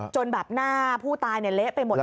จนแบบหน้าผู้ตายเละไปหมดเลย